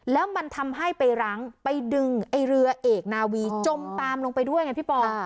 แล้วมันทำให้ไปรั้งไปดึงไอ้เรือเอกนาวีจมตามลงไปด้วยไงพี่ปอง